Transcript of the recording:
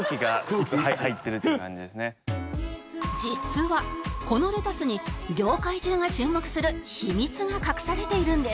実はこのレタスに業界中が注目する秘密が隠されているんです